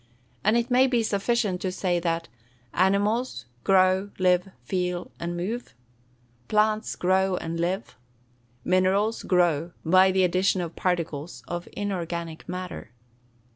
And it may be sufficient to say that Animals grow, live, feel, and move. Plants grow and live. Minerals grow, by the addition of particles of inorganic matter.